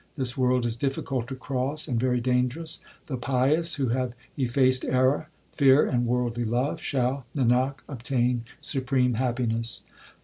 This world is difficult to cross and very dangerous. The pious who have effaced error, fear, and worldly love, Shall, Nanak, obtain supreme happiness.